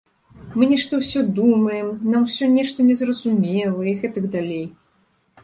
Мы нешта ўсё думаем, нам усё нешта незразумела і гэтак далей.